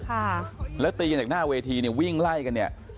ค่ะแล้วตีกันจากหน้าเวทีเนี่ยวิ่งไล่กันเนี่ย